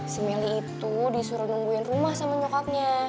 si melly itu disuruh nungguin rumah sama nyokotnya